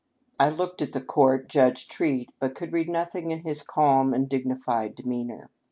' I looked at the court. Judge Treat, but could read nothing in his calm and dig nified demeanor.